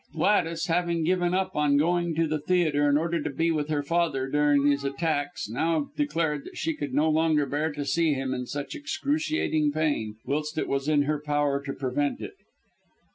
Gladys, having given up going to the theatre in order to be with her father during these attacks, now declared that she could no longer bear to see him in such excruciating pain, whilst it was in her power to prevent it.